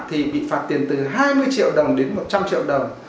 thì bị phạt tiền từ hai mươi triệu đồng đến một trăm linh triệu đồng